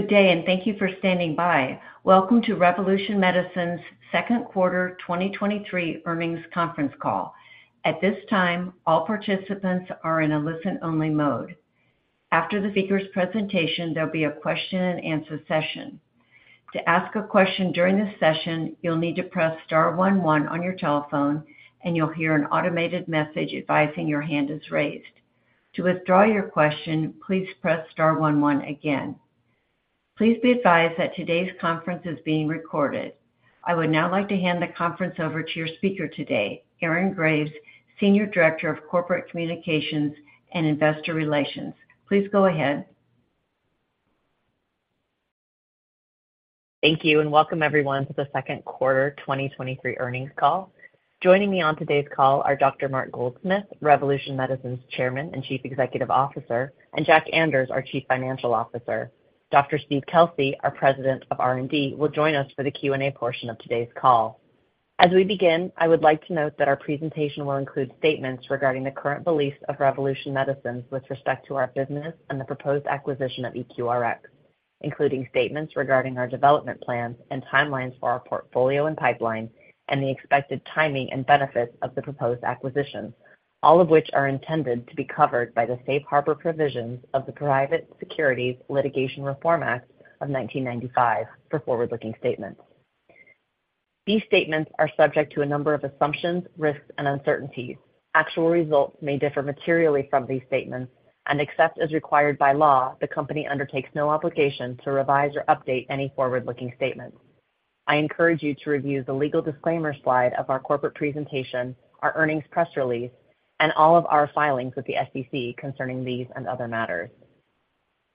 Good day, and thank you for standing by. Welcome to Revolution Medicines' second quarter 2023 earnings conference call. At this time, all participants are in a listen-only mode. After the speaker's presentation, there'll be a Q&A session. To ask a question during this session, you'll need to press star one one on your telephone, and you'll hear an automated message advising your hand is raised. To withdraw your question, please press star one one again. Please be advised that today's conference is being recorded. I would now like to hand the conference over to your speaker today, Erin Graves, Senior Director of Corporate Communications and Investor Relations. Please go ahead. Thank you, and welcome everyone to the second quarter 2023 earnings call. Joining me on today's call are Dr. Mark Goldsmith, Revolution Medicines' Chairman and Chief Executive Officer, and Jack Anders, our Chief Financial Officer. Dr. Steve Kelsey, our President of R&D, will join us for the Q&A portion of today's call. As we begin, I would like to note that our presentation will include statements regarding the current beliefs of Revolution Medicines with respect to our business and the proposed acquisition of EQRx, including statements regarding our development plans and timelines for our portfolio and pipeline, and the expected timing and benefits of the proposed acquisition, all of which are intended to be covered by the Safe Harbor provisions of the Private Securities Litigation Reform Act of 1995 for forward-looking statements. These statements are subject to a number of assumptions, risks and uncertainties. Actual results may differ materially from these statements, and except as required by law, the company undertakes no obligation to revise or update any forward-looking statements. I encourage you to review the legal disclaimer slide of our corporate presentation, our earnings press release, and all of our filings with the SEC concerning these and other matters.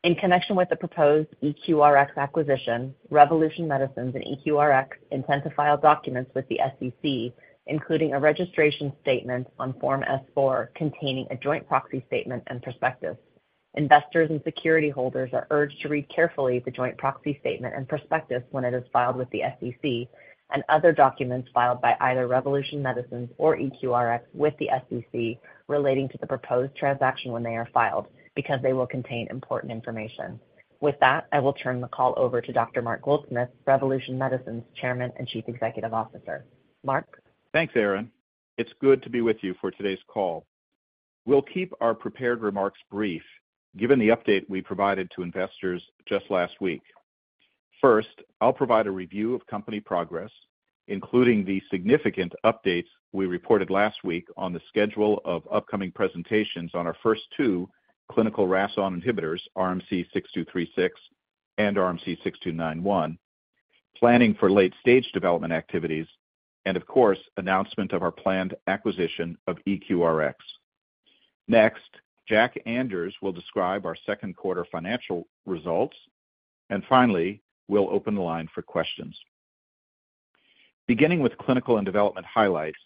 In connection with the proposed EQRx acquisition, Revolution Medicines and EQRx intend to file documents with the SEC, including a registration statement on Form S-4, containing a joint proxy statement and prospectus. Investors and security holders are urged to read carefully the joint proxy statement and prospectus when it is filed with the SEC and other documents filed by either Revolution Medicines or EQRx with the SEC relating to the proposed transaction when they are filed, because they will contain important information. With that, I will turn the call over to Dr. Mark Goldsmith, Revolution Medicines' Chairman and Chief Executive Officer. Mark? Thanks, Erin. It's good to be with you for today's call. We'll keep our prepared remarks brief, given the update we provided to investors just last week. First, I'll provide a review of company progress, including the significant updates we reported last week on the schedule of upcoming presentations on our first two clinical RAS(ON) inhibitors, RMC-6236 and RMC-6291, planning for late-stage development activities, and of course, announcement of our planned acquisition of EQRx. Next, Jack Anders will describe our second quarter financial results, and finally, we'll open the line for questions. Beginning with clinical and development highlights,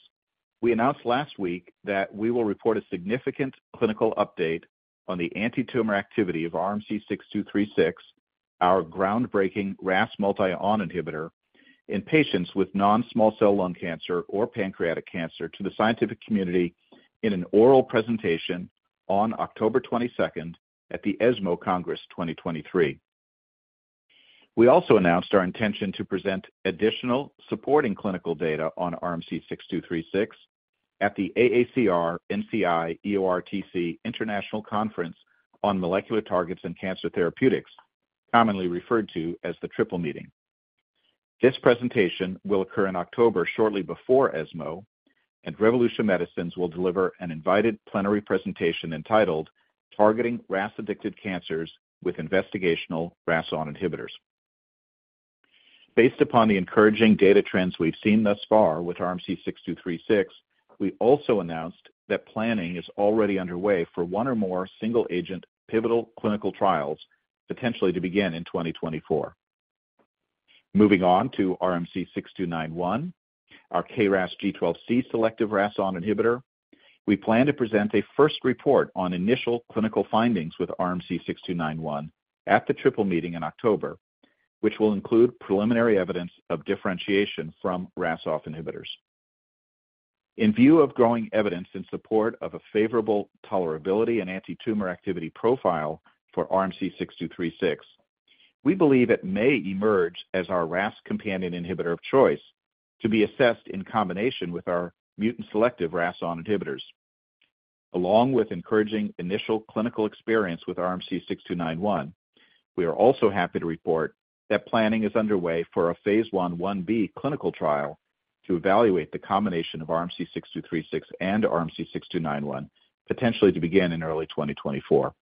we announced last week that we will report a significant clinical update on the anti-tumor activity of RMC-6236, our groundbreaking RAS multi-on inhibitor, in patients with non-small cell lung cancer or pancreatic cancer, to the scientific community in an oral presentation on October 22nd at the ESMO Congress 2023. We also announced our intention to present additional supporting clinical data on RMC-6236 at the AACR-NCI-EORTC International Conference on Molecular Targets and Cancer Therapeutics, commonly referred to as the Triple Meeting. This presentation will occur in October, shortly before ESMO, and Revolution Medicines will deliver an invited plenary presentation entitled, "Targeting RAS Addicted Cancers with Investigational RAS on Inhibitors." Based upon the encouraging data trends we've seen thus far with RMC-6236, we also announced that planning is already underway for one or more single-agent pivotal clinical trials, potentially to begin in 2024. Moving on to RMC-6291, our KRAS G12C selective RAS on inhibitor, we plan to present a first report on initial clinical findings with RMC-6291 at the Triple Meeting in October, which will include preliminary evidence of differentiation from RAS off inhibitors. In view of growing evidence in support of a favorable tolerability and anti-tumor activity profile for RMC-6236, we believe it may emerge as our RAS Companion Inhibitor of choice to be assessed in combination with our mutant-selective RAS(ON) inhibitors. Along with encouraging initial clinical experience with RMC-6291, we are also happy to report that planning is underway for a phase I/IB clinical trial to evaluate the combination of RMC-6236 and RMC-6291, potentially to begin in early 2024.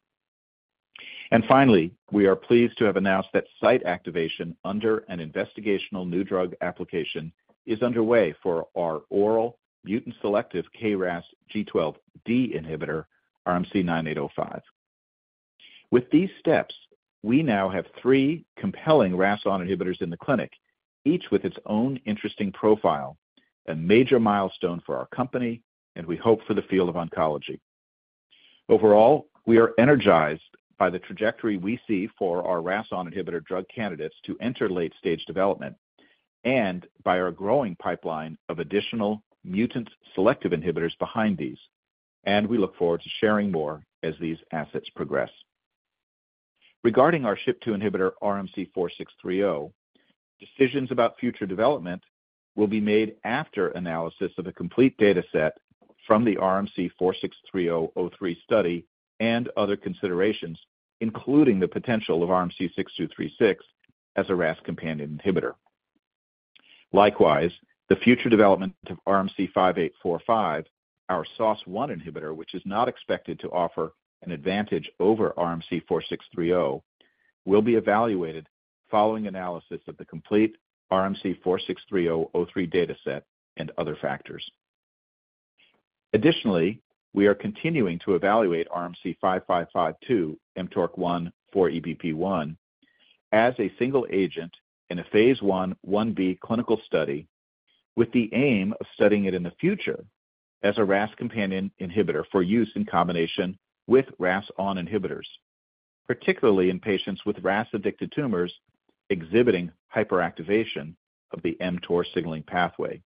Finally, we are pleased to have announced that site activation under an investigational new drug application is underway for our oral mutant-selective KRAS G12D inhibitor, RMC-9805. With these steps, we now have three compelling RAS(ON) inhibitors in the clinic, each with its own interesting profile, a major milestone for our company and we hope for the field of oncology. Overall, we are energized by the trajectory we see for our RAS(ON) inhibitor drug candidates to enter late-stage development, and by our growing pipeline of additional mutant selective inhibitors behind these. We look forward to sharing more as these assets progress. Regarding our SHP2 inhibitor, RMC-4630, decisions about future development will be made after analysis of the complete data set from the RMC-4630-03 study and other considerations, including the potential of RMC-6236 as a RAS Companion Inhibitor. Likewise, the future development of RMC-5845, our SOS1 inhibitor, which is not expected to offer an advantage over RMC-4630, will be evaluated following analysis of the complete RMC-4630-03 data set and other factors. Additionally, we are continuing to evaluate RMC-5552, mTORC1/4EBP1, as a single agent in a phase I/IB clinical study, with the aim of studying it in the future as a RAS Companion Inhibitor for use in combination with RAS(ON) inhibitors, particularly in patients with RAS-addicted tumors exhibiting hyperactivation of the mTOR signaling pathway.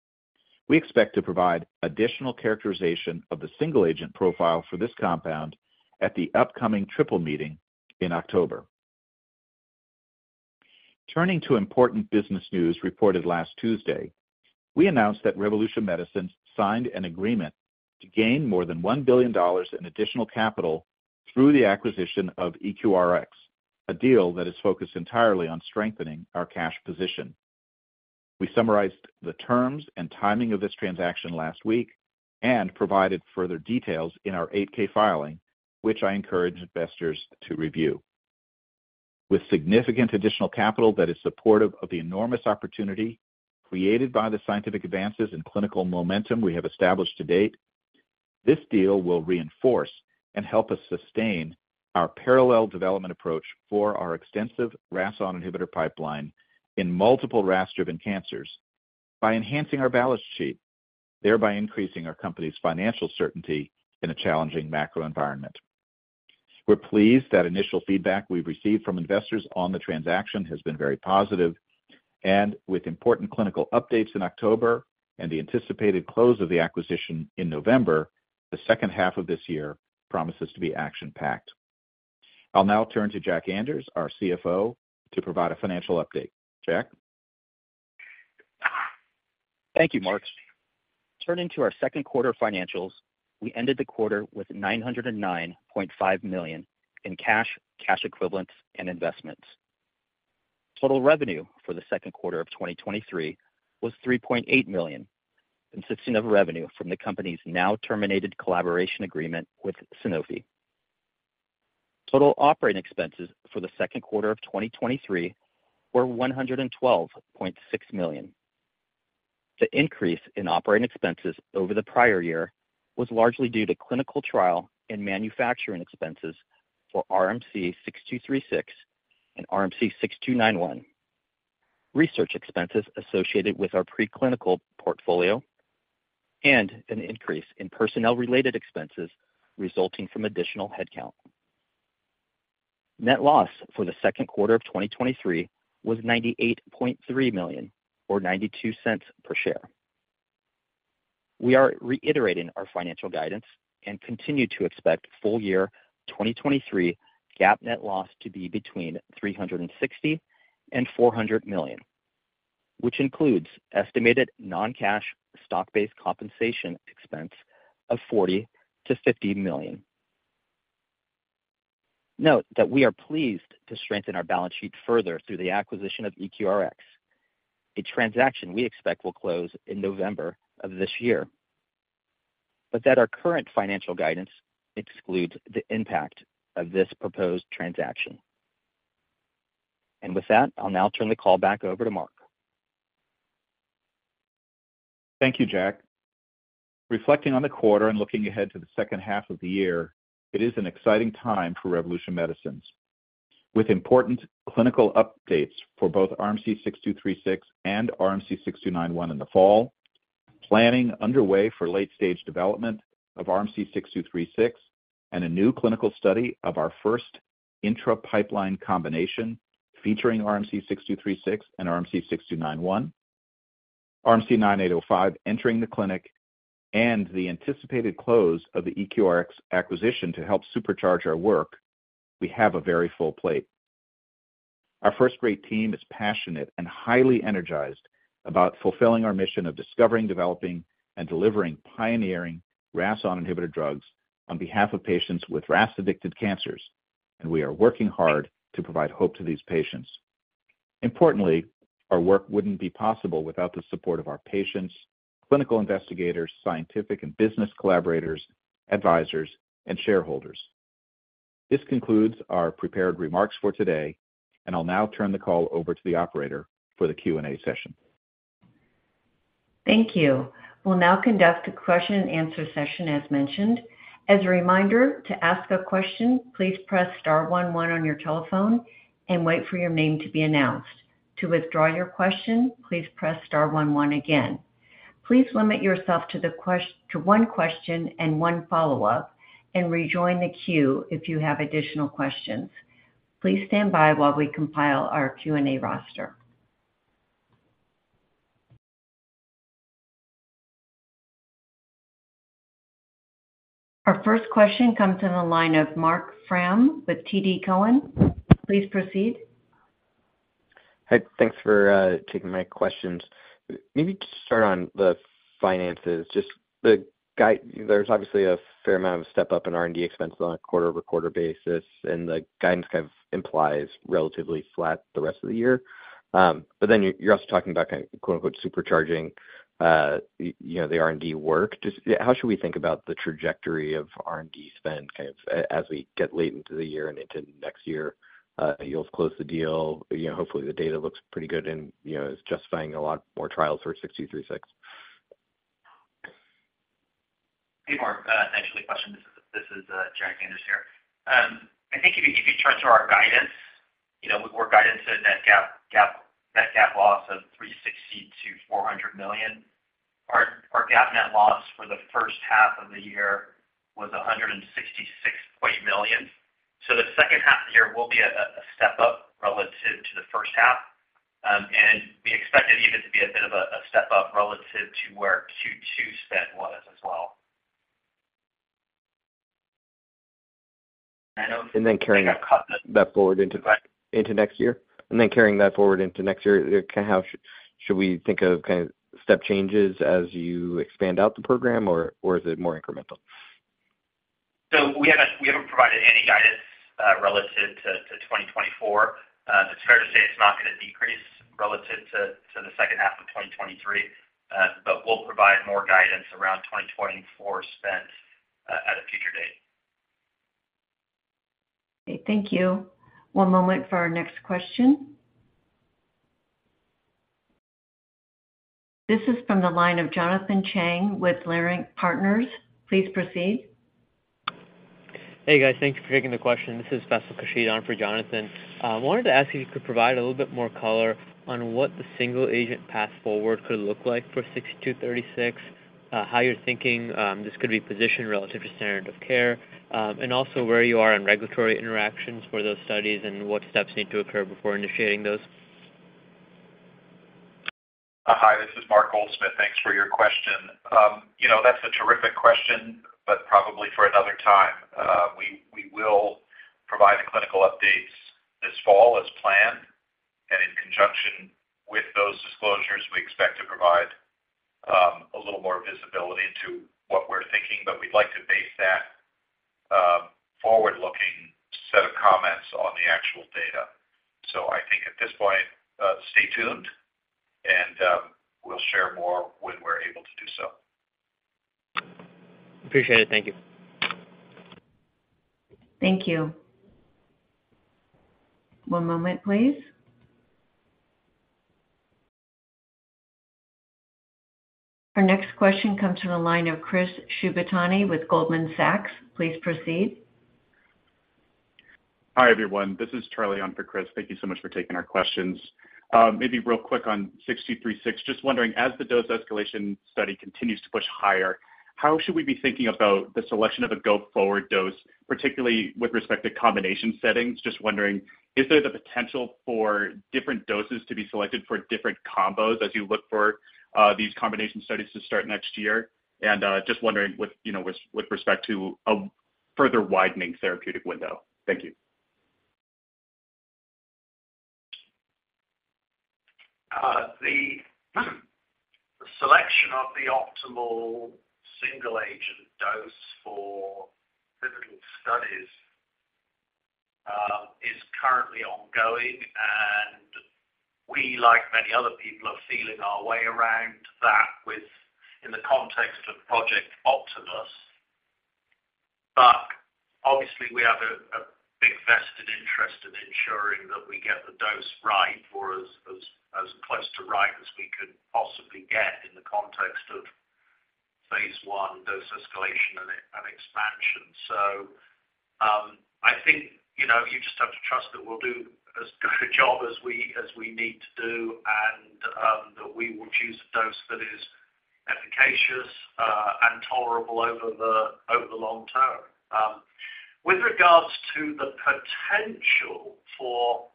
We expect to provide additional characterization of the single-agent profile for this compound at the upcoming Triple Meeting in October. Turning to important business news reported last Tuesday, we announced that Revolution Medicines signed an agreement to gain more than $1 billion in additional capital through the acquisition of EQRx, a deal that is focused entirely on strengthening our cash position. We summarized the terms and timing of this transaction last week and provided further details in our 8-K filing, which I encourage investors to review. With significant additional capital that is supportive of the enormous opportunity created by the scientific advances and clinical momentum we have established to date, this deal will reinforce and help us sustain our parallel development approach for our extensive RAS(ON) inhibitor pipeline in multiple RAS-addicted cancers by enhancing our balance sheet, thereby increasing our company's financial certainty in a challenging macro environment. We're pleased that initial feedback we've received from investors on the transaction has been very positive, with important clinical updates in October and the anticipated close of the acquisition in November, the second half of this year promises to be action-packed. I'll now turn to Jack Anders, our CFO, to provide a financial update. Jack? Thank you, Mark. Turning to our second quarter financials, we ended the quarter with $909.5 million in cash, cash equivalents, and investments. Total revenue for the second quarter of 2023 was $3.8 million, consisting of revenue from the company's now-terminated collaboration agreement with Sanofi. Total operating expenses for the second quarter of 2023 were $112.6 million. The increase in operating expenses over the prior year was largely due to clinical trial and manufacturing expenses for RMC-6236 and RMC-6291, research expenses associated with our preclinical portfolio, and an increase in personnel-related expenses resulting from additional headcount. Net loss for the second quarter of 2023 was $98.3 million, or $0.92 per share. We are reiterating our financial guidance and continue to expect full year 2023 GAAP net loss to be between $360 million and $400 million, which includes estimated non-cash stock-based compensation expense of $40 million-$50 million. Note that we are pleased to strengthen our balance sheet further through the acquisition of EQRx, a transaction we expect will close in November of this year, but that our current financial guidance excludes the impact of this proposed transaction. With that, I'll now turn the call back over to Mark. Thank you, Jack. Reflecting on the quarter and looking ahead to the second half of the year, it is an exciting time for Revolution Medicines. With important clinical updates for both RMC-6236 and RMC-6291 in the fall, planning underway for late-stage development of RMC-6236, and a new clinical study of our first intra-pipeline combination featuring RMC-6236 and RMC-6291, RMC-9805 entering the clinic, and the anticipated close of the EQRx acquisition to help supercharge our work, we have a very full plate. Our first-rate team is passionate and highly energized about fulfilling our mission of discovering, developing, and delivering pioneering RAS(ON) inhibitor drugs on behalf of patients with RAS-addicted cancers, and we are working hard to provide hope to these patients. Importantly, our work wouldn't be possible without the support of our patients, clinical investigators, scientific and business collaborators, advisors, and shareholders. This concludes our prepared remarks for today, and I'll now turn the call over to the operator for the Q&A session. Thank you. We'll now conduct a question and answer session as mentioned. As a reminder, to ask a question, please press star one, one on your telephone and wait for your name to be announced. To withdraw your question, please press star one, one again. Please limit yourself to one question and one follow-up, and rejoin the queue if you have additional questions. Please stand by while we compile our Q&A roster. Our first question comes in the line of Marc Frahm with TD Cowen. Please proceed. Hi, thanks for taking my questions. Maybe to start on the finances, just the guide-- there's obviously a fair amount of step up in R&D expense on a quarter-over-quarter basis, and the guidance kind of implies relatively flat the rest of the year. You're, you're also talking about kind of quote-unquote, supercharging, you know, the R&D work. Just, how should we think about the trajectory of R&D spend kind of as we get late into the year and into next year? You'll close the deal, you know, hopefully, the data looks pretty good and, you know, is justifying a lot more trials for RMC-6236. Hey, Mark, thanks for the question. This is Jack Anders here. I think if you, if you trust our guidance, you know, we guidance a net GAAP net loss of $360 million-$400 million. Our GAAP net loss for the first half of the year was $166 million. The second half of the year will be a step up relative to the first half. We expect it even to be a bit of a step up relative to where Q2 spend was as well. I know. Carrying that forward into next year? Carrying that forward into next year, kind of how should we think of kind of step changes as you expand out the program, or is it more incremental? We haven't, we haven't provided any guidance, relative to 2024. It's fair to say it's not going to decrease relative to the second half of 2023, but we'll provide more guidance around 2024 spend at a future date. Okay, thank you. One moment for our next question. This is from the line of Jonathan Chang with Leerink Partners. Please proceed. Hey, guys. Thank you for taking the question. This is Basil [Kashid] on for Jonathan. Wanted to ask if you could provide a little bit more color on what the single agent path forward could look like for RMC-6236, how you're thinking this could be positioned relative to standard of care, and also where you are on regulatory interactions for those studies and what steps need to occur before initiating those? Hi, this is Mark Goldsmith. Thanks for your question. You know, that's a terrific question, but probably for another time. We, we will provide the clinical updates this fall as planned, and in conjunction with those disclosures, we expect to provide a little more visibility into what we're thinking, but we'd like to base that forward-looking set of comments on the actual data. I think at this point, stay tuned, and we'll share more when we're able to do so. Appreciate it. Thank you. Thank you. One moment, please. Our next question comes from the line of Chris Shibutani with Goldman Sachs. Please proceed. Hi, everyone. This is Charlie on for Chris. Thank you so much for taking our questions. Maybe real quick on RMC-6236, just wondering, as the dose escalation study continues to push higher, how should we be thinking about the selection of a go-forward dose, particularly with respect to combination settings? Just wondering, is there the potential for different doses to be selected for different combos as you look for these combination studies to start next year? Just wondering with, you know, with, with respect to a further widening therapeutic window. Thank you. The, the selection of the optimal single agent dose for clinical studies is currently ongoing, and we, like many other people, are feeling our way around that with in the context of Project Optimus. Obviously, we have a, a big vested interest in ensuring that we get the dose right or as, as, as close to right as we could possibly get in the context of phase I dose escalation and expansion. I think, you know, you just have to trust that we'll do as good a job as we, as we need to do, and that we will choose a dose that is efficacious and tolerable over the, over the long term. With regards to the potential for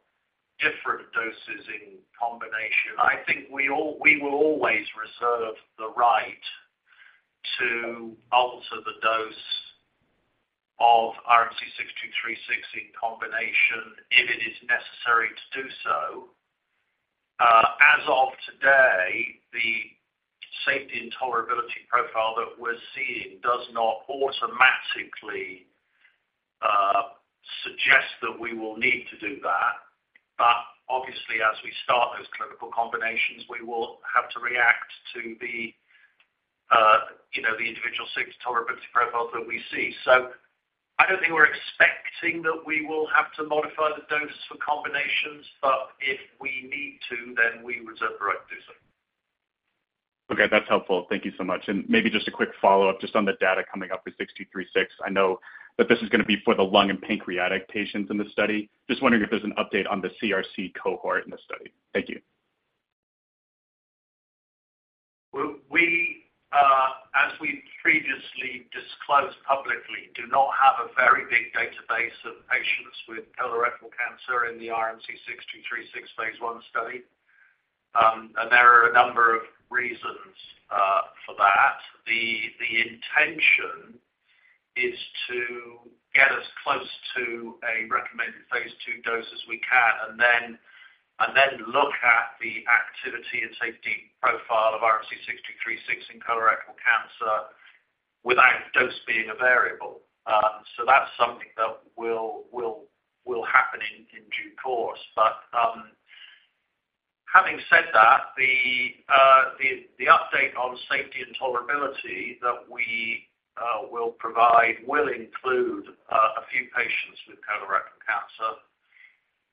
different doses in combination, I think we will always reserve the right to alter the dose of RMC-6236 in combination, if it is necessary to do so. As of today, the safety and tolerability profile that we're seeing does not automatically suggest that we will need to do that. Obviously, as we start those clinical combinations, we will have to react to the, you know, the individual six tolerability profiles that we see. I don't think we're expecting that we will have to modify the dose for combinations, but if we need to, then we reserve the right to do so. Okay, that's helpful. Thank you so much. Maybe just a quick follow-up, just on the data coming up for RMC-6236. I know that this is gonna be for the lung and pancreatic patients in the study. Just wondering if there's an update on the CRC cohort in the study. Thank you. As we previously disclosed publicly do not have a very big database of patients with colorectal cancer in the RMC-6236 phase I study. There are a number of reasons for that. The intention is to get as close to a recommended phase II dose as we can, and then, and then look at the activity and safety profile of RMC-6236 in colorectal cancer without dose being a variable. That's something that will, will, will happen in, in due course. Having said that, the, the, the update on safety and tolerability that we will provide will include a few patients with colorectal cancer,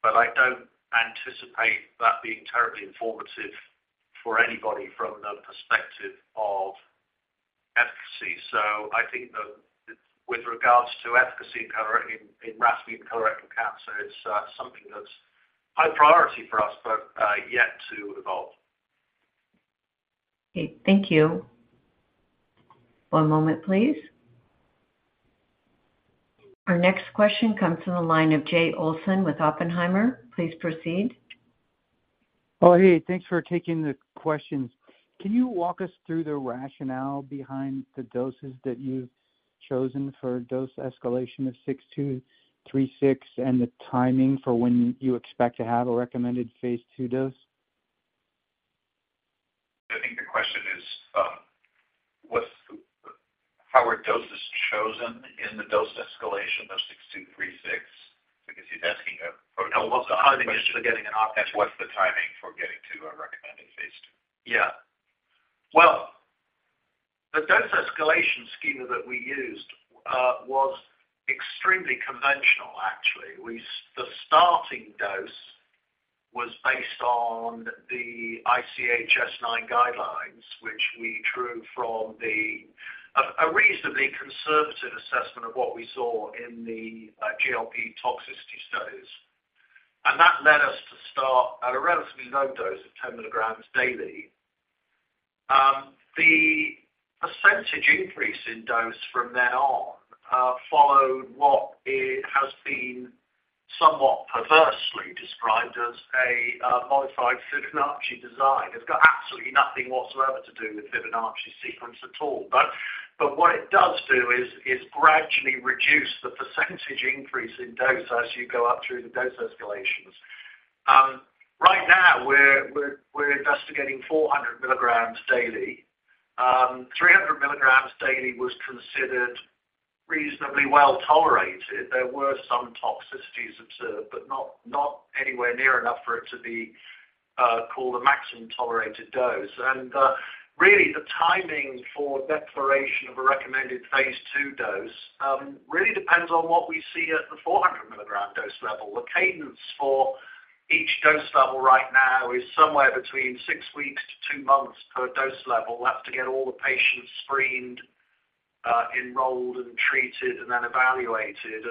but I don't anticipate that being terribly informative for anybody from the perspective of efficacy. I think that with regards to efficacy in colorectal, in RAS in colorectal cancer, it's, something that's high priority for us, but, yet to evolve. Okay, thank you. One moment, please. Our next question comes from the line of Jay Olson with Oppenheimer. Please proceed. Oh, hey, thanks for taking the questions. Can you walk us through the rationale behind the doses that you've chosen for dose escalation of RMC-6236, and the timing for when you expect to have a recommended phase II dose? I think the question is, How are doses chosen in the dose escalation of RMC-6236? Because he's asking a protocol. No, well, the timing for getting. What's the timing for getting to a recommended phase II? Yeah. Well, the dose escalation schema that we used, was extremely conventional, actually. The starting dose was based on the ICH S9 guidelines, which we drew from the... A reasonably conservative assessment of what we saw in the GLP toxicity studies. And that led us to start at a relatively low dose of 10 milligrams daily. The percentage increase in dose from then on, followed what it has been somewhat perversely described as a modified Fibonacci design. It's got absolutely nothing whatsoever to do with Fibonacci sequence at all. What it does do is gradually reduce the percentage increase in dose as you go up through the dose escalations. Right now, we're investigating 400 milligrams daily. 300 milligrams daily was considered reasonably well tolerated. There were some toxicities observed, but not, not anywhere near enough for it to be called a maximum tolerated dose. The timing for declaration of a recommended phase II dose really depends on what we see at the 400 mg dose level. The cadence for each dose level right now is somewhere between six weeks to two months per dose level. We'll have to get all the patients screened, enrolled, and treated, and then evaluated.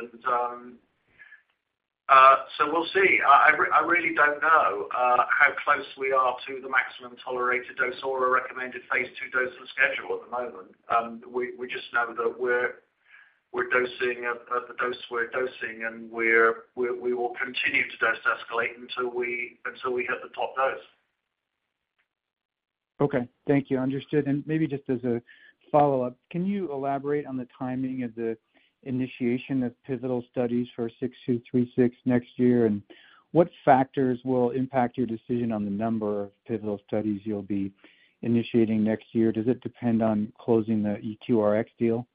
We'll see. I really don't know how close we are to the maximum tolerated dose or a recommended phase II dose and schedule at the moment. We just know that we're, we're dosing at, at the dose we're dosing, and we, we will continue to dose escalate until we, until we hit the top dose. Okay, thank you. Understood. Maybe just as a follow-up, can you elaborate on the timing of the initiation of pivotal studies for RMC-6236 next year, and what factors will impact your decision on the number of pivotal studies you'll be initiating next year? Does it depend on closing the EQRx deal?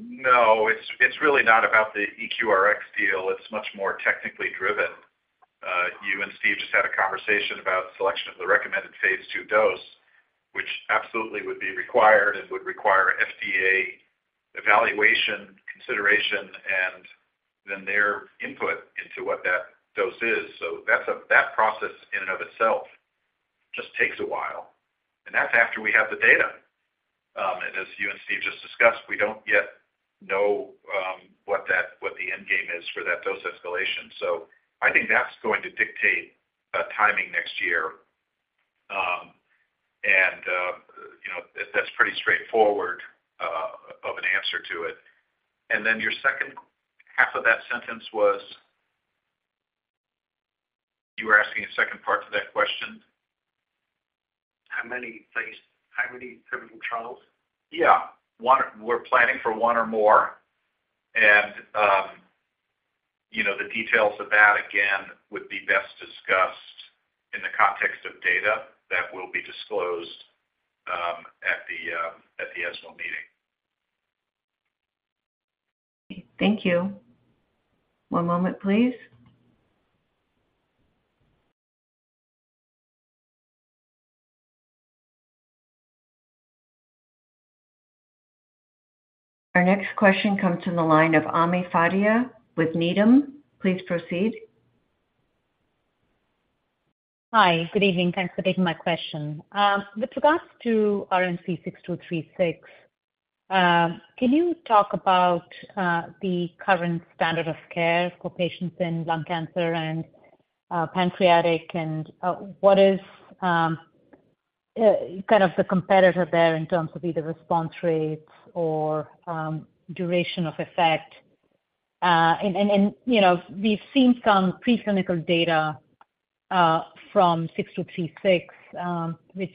No, it's, it's really not about the EQRx deal. It's much more technically driven. You and Steve just had a conversation about selection of the recommended phase II dose, which absolutely would be required and would require FDA evaluation, consideration, and then their input into what that dose is. That's a- that process in and of itself just takes a while, and that's after we have the data. As you and Steve just discussed, we don't yet know what that, what the end game is for that dose escalation. I think that's going to dictate timing next year. You know, that's pretty straightforward of an answer to it. Then your second half of that sentence was? You were asking a second part to that question. How many pivotal trials? Yeah. One, we're planning for one or more. You know, the details of that, again, would be best discussed in the context of data that will be disclosed, at the, at the ESMO meeting. Thank you. One moment, please. Our next question comes from the line of Ami Fadia with Needham. Please proceed. Hi, good evening. Thanks for taking my question. With regards to RMC-6236, can you talk about the current standard of care for patients in lung cancer and pancreatic cancer? What is kind of the competitor there in terms of either response rates or duration of effect? you know, we've seen some preclinical data from RMC-6236, which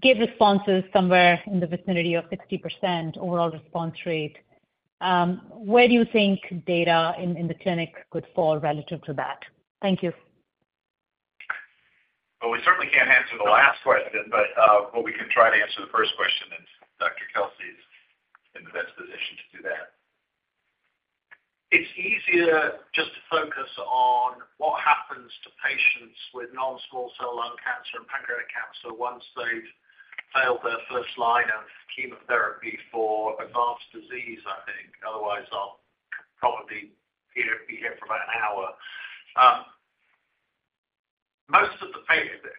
give responses somewhere in the vicinity of 60% overall response rate. Where do you think data in the clinic could fall relative to that? Thank you. Well, we certainly can't answer the last question, but what we can try to answer the first question, and Dr. Kelsey is in the best position to do that. It's easier just to focus on what happens to patients with non-small cell lung cancer and pancreatic cancer once they've failed their first line of chemotherapy for advanced disease, I think. Otherwise, I'll probably be here, be here for about an hour. Most of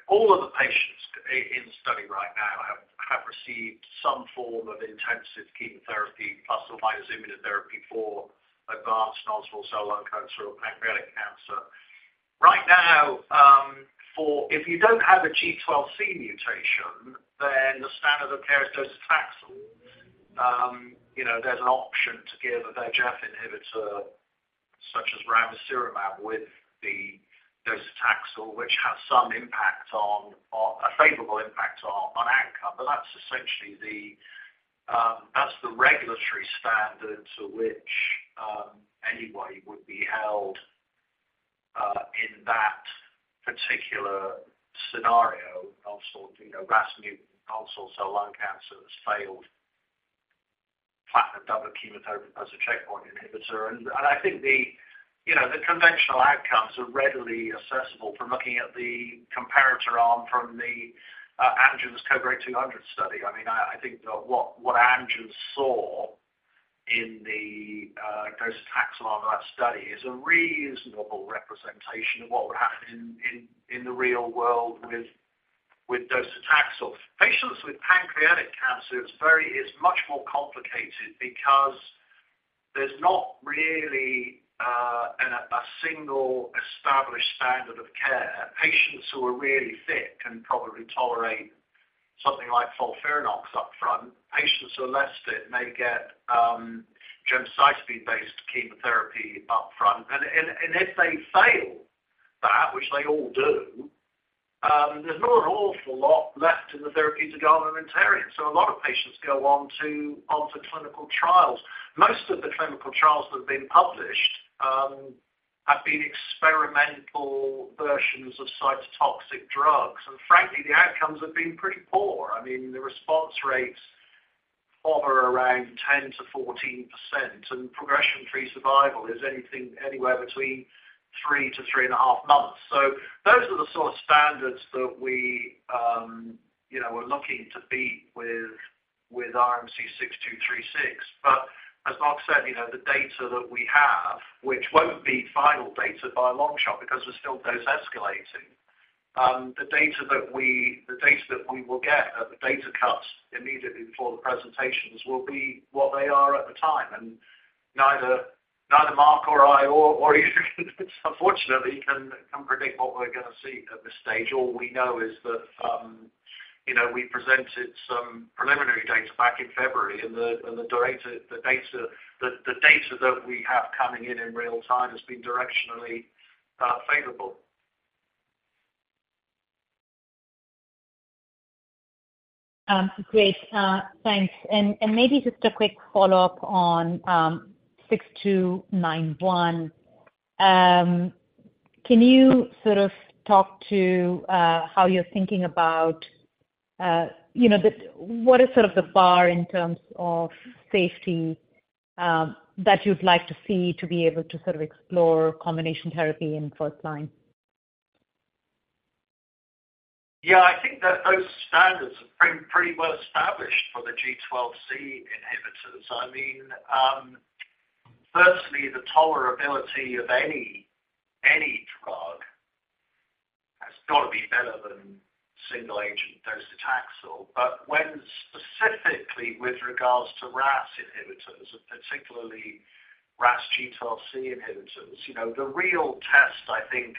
all of the patients in the study right now have received some form of intensive chemotherapy, plus or minus immunotherapy for advanced non-small cell lung cancer or pancreatic cancer. Right now, if you don't have a G12C mutation, then the standard of care is docetaxel. You know, there's an option to give an EGFR inhibitor, such as ramucirumab with the docetaxel, which has some impact on a favorable impact on outcome. That's essentially the, that's the regulatory standard to which anybody would be held in that particular scenario of sort, you know, RAS mutant non-small cell lung cancer that's failed platinum doublet chemotherapy plus a checkpoint inhibitor. I think the, you know, the conventional outcomes are readily accessible from looking at the comparator arm from the Amgen's CodeBreaK 200 study. I mean, I, I think that what, what Amgen saw in the docetaxel arm of that study is a reasonable representation of what would happen in, in, in the real world with, with docetaxel. Patients with pancreatic cancer, it's very- it's much more complicated because there's not really an, a single established standard of care. Patients who are really fit can probably tolerate something like FOLFIRINOX upfront. Patients who are less fit may get gemcitabine-based chemotherapy upfront. If they fail that, which they all do, there's not an awful lot left in the therapeutic armamentarium, so a lot of patients go on to, on to clinical trials. Most of the clinical trials that have been published, have been experimental versions of cytotoxic drugs, and frankly, the outcomes have been pretty poor. I mean, the response rates hover around 10%-14%, and progression-free survival is anything, anywhere between three-3.5 months. Those are the sort of standards that we, you know, we're looking to beat with, with RMC-6236. As Mark said, you know, the data that we have, which won't be final data by a long shot because we're still dose escalating, the data that we will get at the data cuts immediately before the presentations will be what they are at the time. Neither Mark or I or you unfortunately, can, can predict what we're gonna see at this stage. All we know is that, you know, we presented some preliminary data back in February, and the data that we have coming in in real time has been directionally favorable. Great, thanks. Maybe just a quick follow-up on RMC-6291. Can you sort of talk to how you're thinking about, you know, what is sort of the bar in terms of safety that you'd like to see to be able to sort of explore combination therapy in first line? Yeah, I think that those standards have been pretty well established for the G12C inhibitors. I mean, firstly, the tolerability of any, any drug has got to be better than single-agent docetaxel. When specifically with regards to RAS inhibitors, and particularly RAS G12C inhibitors, you know, the real test, I think,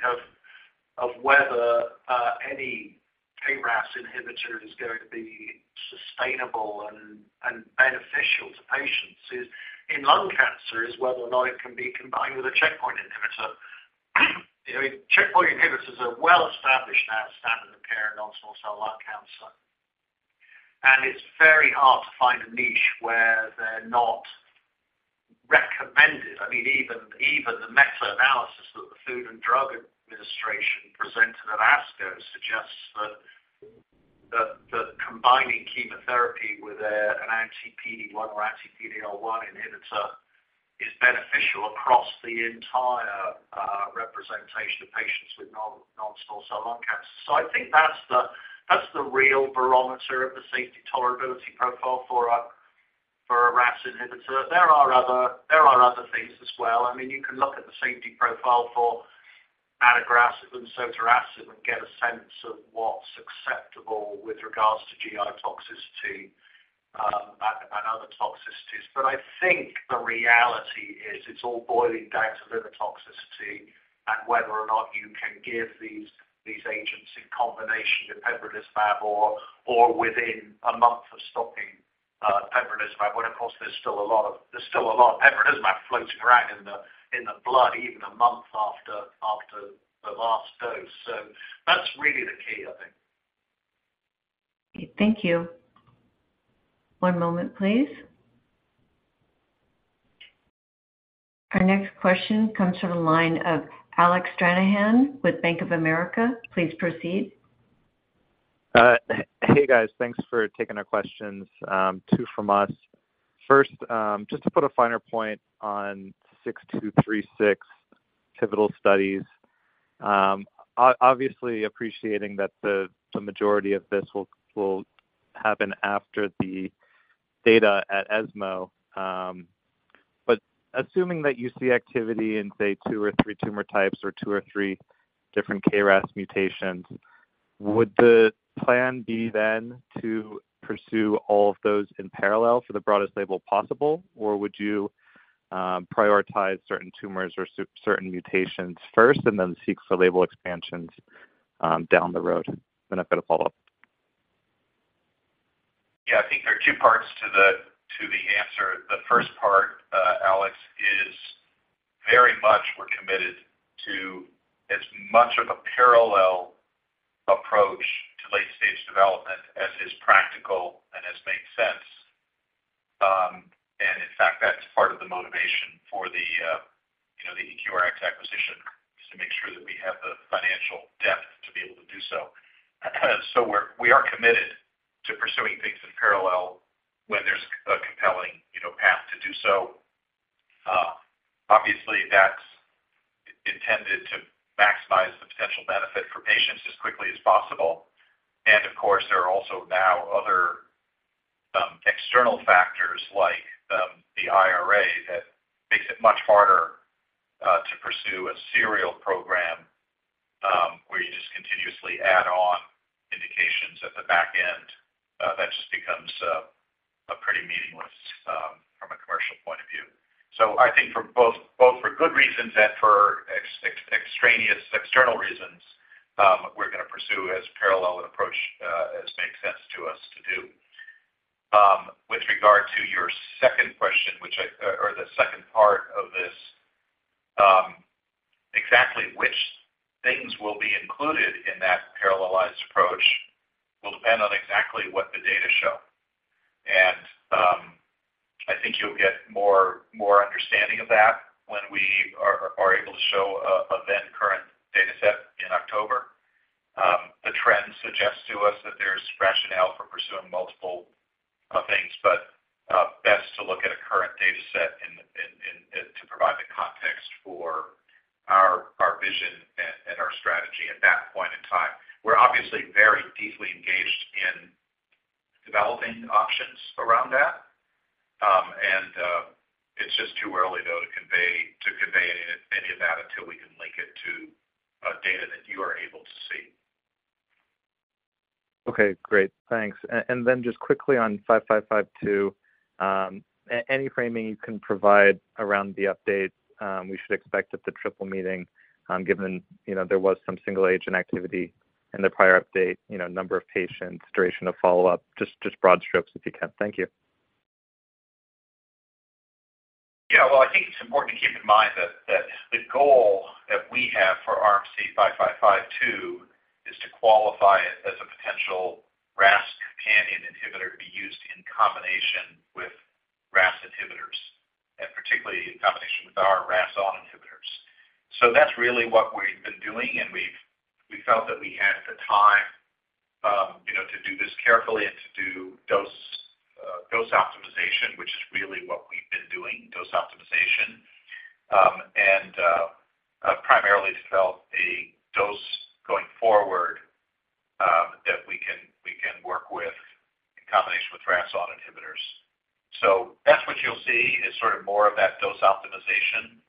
of whether any KRAS inhibitor is going to be sustainable and beneficial to patients is, in lung cancer, is whether or not it can be combined with a checkpoint inhibitor. You know, checkpoint inhibitors are well established now as standard of care in non-small cell lung cancer, and it's very hard to find a niche where they're not recommended. I mean, even, even the meta-analysis that the Food and Drug Administration presented at ASCO suggests that, that, that combining chemotherapy with an anti-PD-1 or anti-PD-L1 inhibitor is beneficial across the entire representation of patients with non, non-small cell lung cancer. I think that's the, that's the real barometer of the safety tolerability profile for a, for a RAS inhibitor. There are other, there are other things as well. I mean, you can look at the safety profile for adagrasib and sotorasib and get a sense of what's acceptable with regards to GI toxicity, and other toxicities. I think the reality is, it's all boiling down to liver toxicity and whether or not you can give these, these agents in combination with pembrolizumab or, or within a month of stopping, pembrolizumab. When, of course, there's still a lot of pembrolizumab floating around in the, in the blood, even a month after, after the last dose. That's really the key, I think. Thank you. One moment, please. Our next question comes from the line of Alec Stranahan with Bank of America. Please proceed. Hey, guys. Thanks for taking our questions, two from us. First, just to put a finer point on RMC-6236 pivotal studies, obviously appreciating that the majority of this will happen after the data at ESMO. Assuming that you see activity in, say, two or three tumor types or two or three different KRAS mutations, would the plan be then to pursue all of those in parallel for the broadest label possible? Would you prioritize certain tumors or certain mutations first, and then seek the label expansions down the road? I've got a follow-up. Yeah, I think there are two parts to the, to the answer. The first part, Alex, is very much we're committed to as much of a parallel approach to late-stage development as is practical and as makes sense. In fact, that's part of the motivation for the, you know, the EQRx acquisition, is to make sure that we have the financial depth to be able to do so. We are committed to pursuing things in parallel when there's a compelling, you know, path to do so. Obviously, that's intended to maximize the potential benefit for patients as quickly as possible. Of course, there are also now other external factors like the IRA, that makes it much harder to pursue a serial program where you just continuously add on indications at the back end. That just becomes pretty meaningless from a commercial point of view. I think for both, both for good reasons and for extraneous external reasons, we're gonna pursue as parallel an approach as makes sense to us to do. With regard to your second question, which I, or the second part of this, exactly which things will be included in that parallelized approach will depend on exactly what the data show. I think you'll get more understanding of that when we are able to show a then current dataset in October. The trends suggest to us that there's rationale for pursuing multiple things, best to look at a current dataset and to provide the context for our vision and our strategy at that point in time. We're obviously very deeply engaged in developing options around that. It's just too early, though, to convey, to convey any, any of that until we can link it to data that you are able to see. Okay, great. Thanks. Just quickly on RMC-5552, any framing you can provide around the update we should expect at the Triple Meeting given, you know, there was some single agent activity in the prior update, you know, number of patients, duration of follow-up, just, just broad strokes, if you can. Thank you. Well, I think it's important to keep in mind that the goal that we have for RMC-5552 is to qualify it as a potential RAS Companion Inhibitor to be used in combination with RAS inhibitors, and particularly in combination with our RAS(ON) inhibitors. That's really what we've been doing, and we felt that we had the time, you know, to do this carefully and to do dose optimization, which is really what we've been doing, dose optimization. Primarily to develop a dose going forward that we can, we can work with in combination with RAS(ON) inhibitors. That's what you'll see, is sort of more of that dose optimization.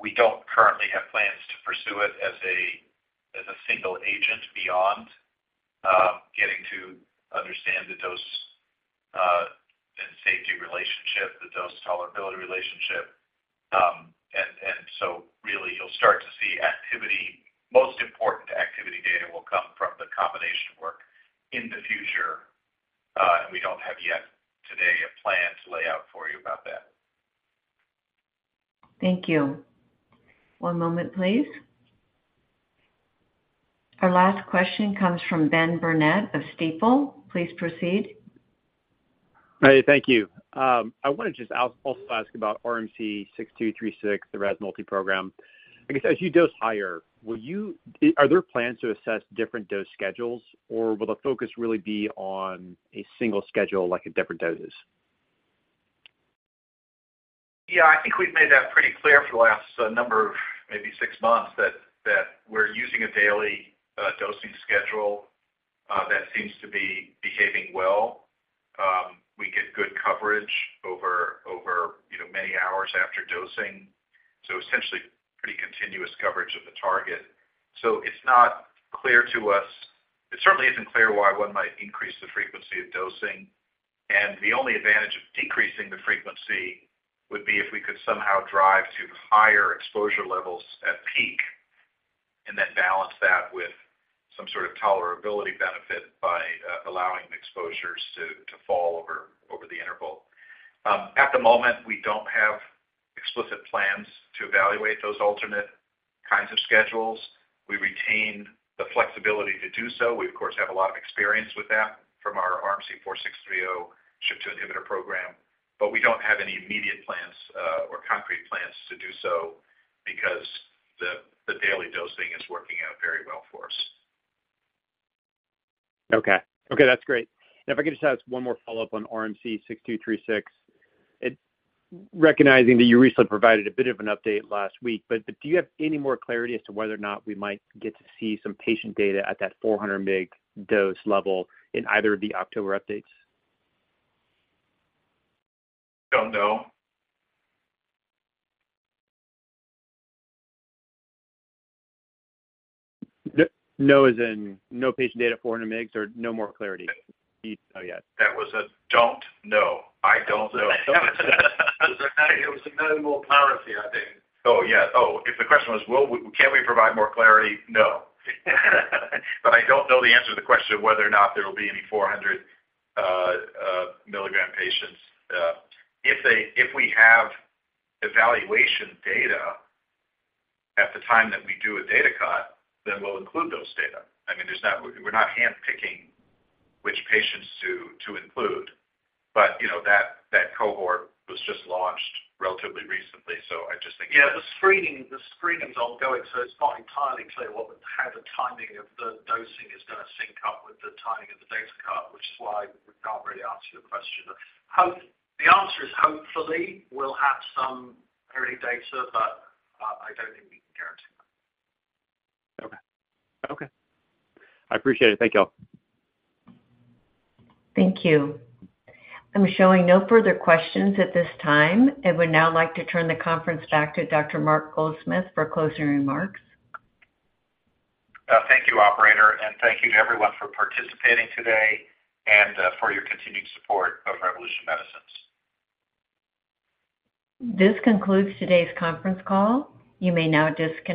We don't currently have plans to pursue it as a, as a single agent beyond getting to understand the dose and safety relationship, the dose tolerability relationship. You'll start to see activity. Most important activity data will come from the combination work in the future. We don't have yet today a plan to lay out for you about that. Thank you. One moment, please. Our last question comes from Ben Burnett of Stifel. Please proceed. Hey, thank you. I want to just also ask about RMC-6236, the RAS multi-program. I guess, as you dose higher, are there plans to assess different dose schedules, or will the focus really be on a single schedule, like at different doses? Yeah, I think we've made that pretty clear for the last number of maybe six months-... schedule, that seems to be behaving well. We get good coverage over, over, you know, many hours after dosing, so essentially pretty continuous coverage of the target. It's not clear to us, it certainly isn't clear why one might increase the frequency of dosing, and the only advantage of decreasing the frequency would be if we could somehow drive to higher exposure levels at peak and then balance that with some sort of tolerability benefit by, allowing exposures to, to fall over, over the interval. At the moment, we don't have explicit plans to evaluate those alternate kinds of schedules. We retain the flexibility to do so. We, of course, have a lot of experience with that from our RMC-4630 SHP2 inhibitor program, but we don't have any immediate plans, or concrete plans to do so because the daily dosing is working out very well for us. Okay. Okay, that's great. If I could just ask 1 more follow-up on RMC-6236. Recognizing that you recently provided a bit of an update last week, but do you have any more clarity as to whether or not we might get to see some patient data at that 400 mg dose level in either of the October updates? Don't know. No, as in no patient data at 400 mgs or no more clarity? Oh, yeah. That was a don't know. I don't know. It was another more clarity, I think. Oh, yeah. Oh, if the question was, will we-- can we provide more clarity? No. I don't know the answer to the question of whether or not there will be any 400 milligram patients. If they, if we have evaluation data at the time that we do a data cut, then we'll include those data. I mean, there's not, we're not handpicking which patients to, to include, but, you know, that, that cohort was just launched relatively recently, so I just think- Yeah, the screening, the screening is ongoing. It's not entirely clear what would... How the timing of the dosing is gonna sync up with the timing of the data cut, which is why we can't really answer your question. The answer is hopefully we'll have some early data. I don't think we can guarantee that. Okay. Okay, I appreciate it. Thank you all. Thank you. I'm showing no further questions at this time and would now like to turn the conference back to Dr. Mark Goldsmith for closing remarks. Thank you, operator, and thank you to everyone for participating today and for your continued support of Revolution Medicines. This concludes today's conference call. You may now disconnect.